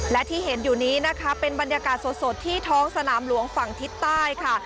และที่เห็นอยู่นี้นะคะเป็นบรรยากาศสดที่ท้องสนามหลวงฝั่งทิศใต้ค่ะ